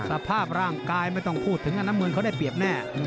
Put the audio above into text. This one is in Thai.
สภาพร่างกายไม่ต้องพูดถึงน้ำเงินเขาได้เปรียบแน่